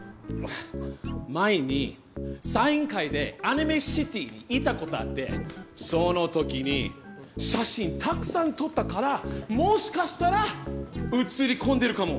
前にサイン会でアニメシティに行ったことあってその時に写真たくさん撮ったからもしかしたら写り込んでるかも。